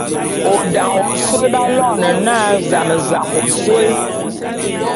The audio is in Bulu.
O dane ôsôé b'aloene na zam-zam ôsôé.